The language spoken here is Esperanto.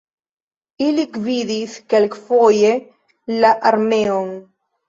Ili gvidis kelkfoje la armeon.